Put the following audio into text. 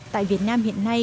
tại việt nam hiện nay